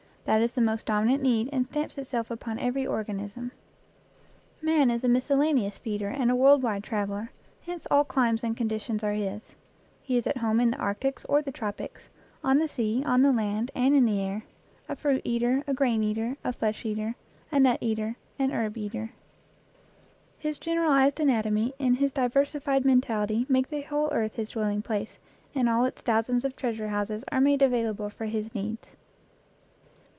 That is the dominant need, and stamps itself upon every organism. Man is a miscellaneous feeder and a world wide traveler, hence all climes and conditions are his. 56 EACH AFTER ITS KIND He is at home in the arctics or the tropics, on the sea, on the land, and in the air; a fruit eater, a grain eater, a flesh eater, a nut eater, an herb eater; his generalized anatomy and his diversified mentality make the whole earth his dwelling place, and all its thousands of treasure houses are made available for his needs.